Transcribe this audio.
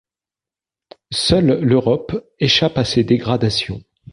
Seule l'Europe échappe à ces dégradations.